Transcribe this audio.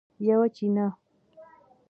یوه چینه